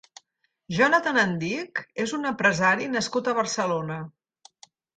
Jonathan Andic és un empresari nascut a Barcelona.